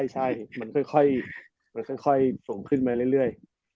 ใช่มันค่อยส่งขึ้นมาเรื่อย